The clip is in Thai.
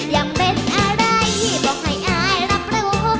อยากเป็นอะไรบอกให้อายรับรู้